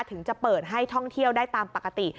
ถึงจะเปิดให้ท่องเที่ยวได้ตามปกติ